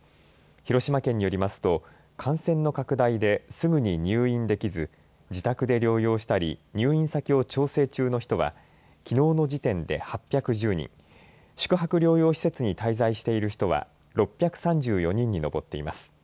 広島県によりますと感染の拡大ですぐに入院できず自宅で療養したり入院先を調整中の人はきのうの時点で８１０人、宿泊療養施設に滞在している人は６３４人に上っています。